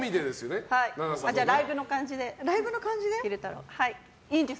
じゃあライブの感じで。